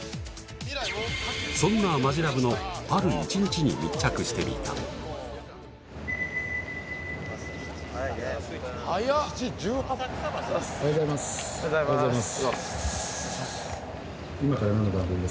そんなマヂラブのある１日に密着してみたおはようございますおはようございます